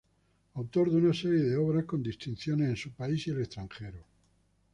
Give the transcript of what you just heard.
Autor de una serie de obras con distinciones en su país y el extranjero.